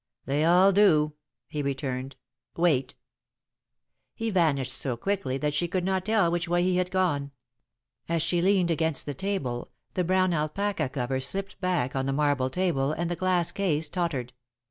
"They all do," he returned. "Wait." He vanished so quickly that she could not tell which way he had gone. As she leaned against the table, the brown alpaca cover slipped back on the marble table and the glass case tottered.